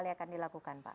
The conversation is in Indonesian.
apa yang akan dilakukan pak